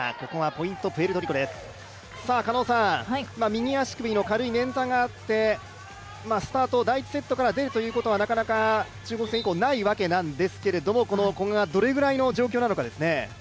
右足首の軽い捻挫があったスタート、第１セットから出るということはなかなか中国戦以降ないわけなんですけど、この古賀がどれぐらいの状況なのかですね。